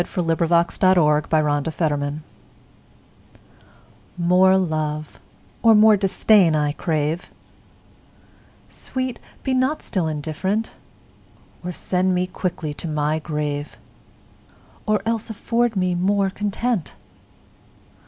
c. 1678 403. Against Indifference MORE love or more disdain I crave; Sweet, be not still indifferent: O send me quickly to my grave, Or else afford me more content!